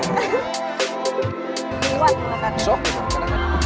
kota tuh happy rasanya